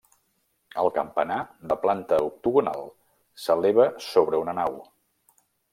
El campanar, de planta octogonal, s'eleva sobre una nau.